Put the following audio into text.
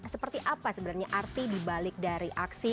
seperti apa sebenarnya arti dibalik dari aksi